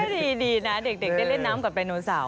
ดีนะเด็กได้เล่นน้ำกับไดโนเสาร์